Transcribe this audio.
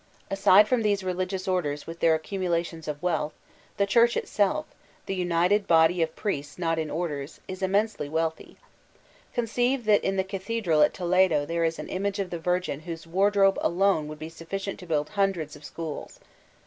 Aside from these religious orders with tfieir accumulations of wealth, the Church 306 VOLTAIftlNB DB ClEYSE itself, the united body of priests not in orders» is ioi mensely wealthy. Conceive that in the Cathedral at Toledo there is an image of the Virgin whose wardrobe alone would be sufficient to build hundreds of schools.